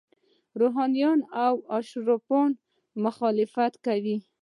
روحانینو او اشرافو یې مخالفت کاوه.